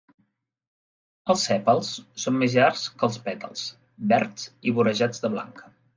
Els sèpals són més llargs que els pètals, verds i vorejats de blanc.